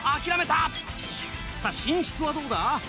さぁ寝室はどうだ？